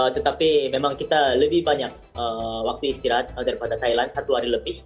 tetapi memang kita lebih banyak waktu istirahat daripada thailand satu hari lebih